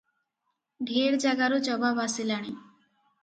ଢେର ଜାଗାରୁ ଜବାବ ଆସିଲାଣି ।